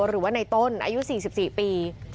พวกมันต้องกินกันพี่